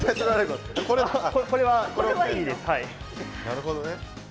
なるほどね。